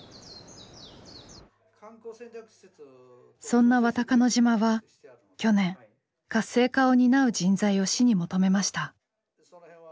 そんな渡鹿野島は去年活性化を担う人材を市に求めました。